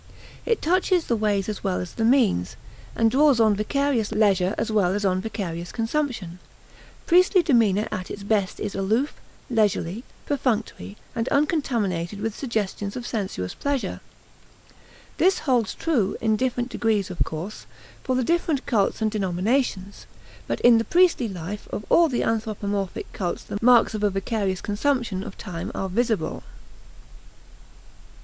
It touches the ways as well as the means, and draws on vicarious leisure as well as on vicarious consumption. Priestly demeanor at its best is aloof, leisurely, perfunctory, and uncontaminated with suggestions of sensuous pleasure. This holds true, in different degrees of course, for the different cults and denominations; but in the priestly life of all anthropomorphic cults the marks of a vicarious consumption of time are visible.